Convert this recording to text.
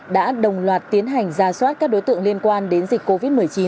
đã đồng loạt tiến hành ra soát các đối tượng liên quan đến dịch covid một mươi chín